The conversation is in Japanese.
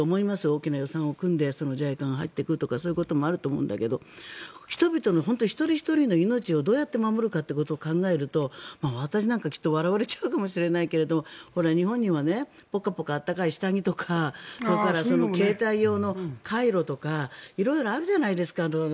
大きな予算を組んでＪＩＣＡが入っていくとかそういうこともあると思うんだけど人々の一人ひとりの命をどうやって守るかということを考えると私なんかは、きっと笑われちゃうかもしれないけど日本にはポカポカ温かい下着とかそれから携帯用のカイロとか色々あるじゃないですか。